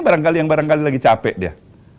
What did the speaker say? barangkali yang barangkali lagi capek dia